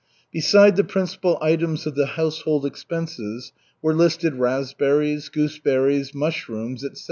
Beside the principal items of the household expenses were listed raspberries, gooseberries, mushrooms, etc.